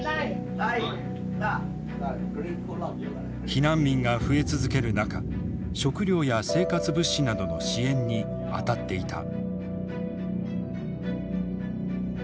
避難民が増え続ける中食糧や生活物資などの支援に当たっていた。